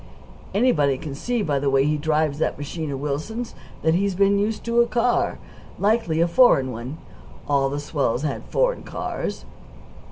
"Anybody can see by the way he drives that machine of Wilson's that he's been used to a car likely a foreign one. All the swells have foreign cars."